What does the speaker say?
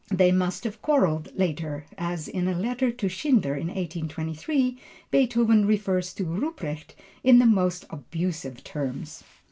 They must have quarrelled later, as in a letter to Schindler in 1823 Beethoven refers to Ruprecht in the most abusive terms.